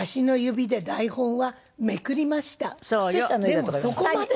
でもそこまでよ。